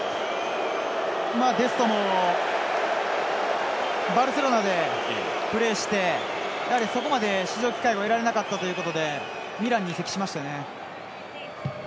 デストもバルセロナでプレーしてそこまで、出場機会が得られなかったのでミランに移籍しましたね。